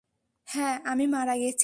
হ্যাঁ, আমি মারা গেছি!